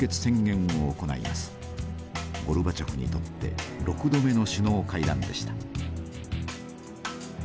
ゴルバチョフにとって６度目の首脳会談でした。